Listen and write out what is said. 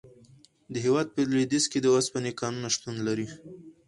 د هیواد په لویدیځ کې د اوسپنې کانونه شتون لري.